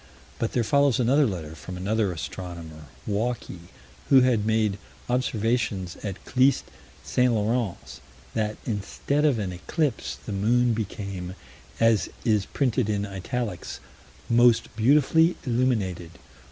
But there follows another letter, from another astronomer, Walkey, who had made observations at Clyst St. Lawrence: that, instead of an eclipse, the moon became as is printed in italics "most beautifully illuminated"